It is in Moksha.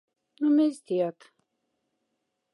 Но мезе тият.